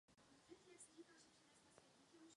Město je také sídelním městem stejnojmenného okresu.